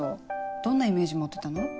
どんなイメージ持ってたの？